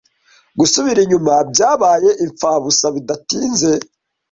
Gusubira inyuma byabaye impfabusa Bidatinze